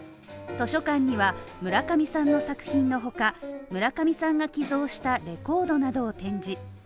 図書館には、村上さんの作品の他村上さんが寄贈したレコードなどを展示。